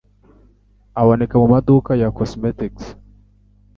aboneka mu maduka ya cosmetics.